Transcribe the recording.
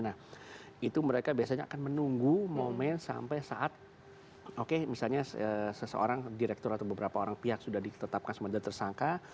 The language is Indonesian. nah itu mereka biasanya akan menunggu momen sampai saat oke misalnya seseorang direktur atau beberapa orang pihak sudah ditetapkan sebagai tersangka